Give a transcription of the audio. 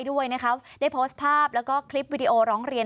ได้โพสต์ภาพและคลิปวิดีโอร้องเรียน